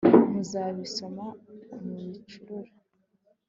muzabisoma mubicurure